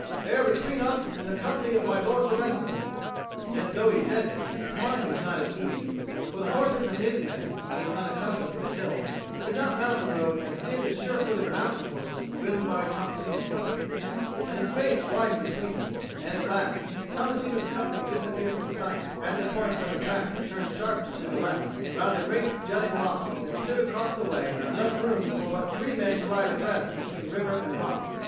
"They are between us and the company of my Lord Lorenzo." Yet though he said this, his mind was not at ease; for the horses of his men, being unaccustomed to the hills, could not mount the road as did the sure footed mountain horses ridden by Tommasino's company, and the space widened between them; and at last Tommasino's company disappeared from sight, at the point where the track turned sharp to the left, round a great jutting rock that stood across the way and left room for but three men to ride abreast between river and rock.